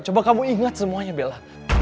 coba kamu ingat semuanya bella